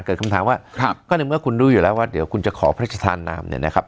เกิดคำถามว่าครับก็ในเมื่อคุณรู้อยู่แล้วว่าเดี๋ยวคุณจะขอพระราชทานนามเนี่ยนะครับ